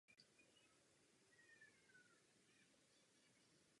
Všechna jeho publikovaná díla byla napsána ve francouzštině.